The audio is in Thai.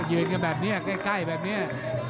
ยืนกันแบบนี้ใกล้แบบนี้